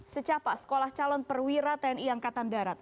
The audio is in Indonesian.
secapa sekolah calon perwira tni angkatan darat